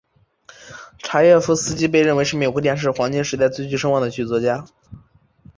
查耶夫斯基被认为是美国电视黄金时代最具声望的剧作家。